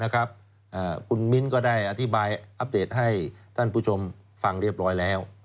คุณมิ้นก็ได้อธิบายอัปเดตให้ท่านผู้ชมฟังเรียบร้อยแล้ว